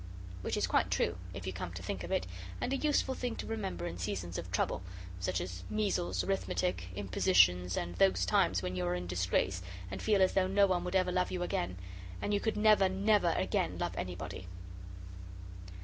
Which is quite true, if you come to think of it, and a useful thing to remember in seasons of trouble such as measles, arithmetic, impositions, and those times when you are in disgrace, and feel as though no one would ever love you again, and you could never never again love anybody.